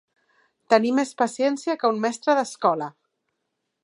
Tenir més paciència que un mestre d'escola.